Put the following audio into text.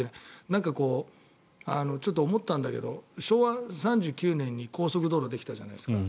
なんか、ちょっと思ったんだけど昭和３９年に高速道路ができたじゃないですか。